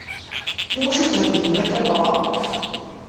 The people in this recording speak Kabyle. Iwacu theddnen akka merra?